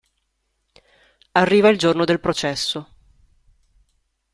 Arriva il giorno del processo.